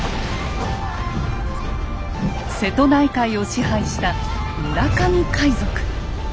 瀬戸内海を支配した村上海賊。